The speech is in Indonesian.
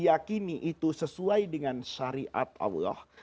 ya diakini itu sesuai dengan syariat allah